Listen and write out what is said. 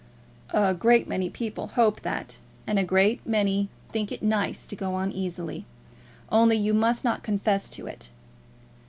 "A great many people hope that, and a great many think it nice to go on easily. Only you must not confess to it."